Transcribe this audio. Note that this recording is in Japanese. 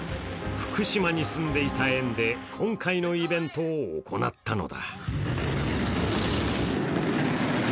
福島に住んでいた縁で今回のイベントを行ったのだ。